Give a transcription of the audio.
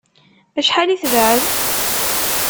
Acḥal i tebɛed?